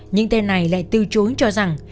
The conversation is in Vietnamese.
nhưng tên này lại từ chối cho rằng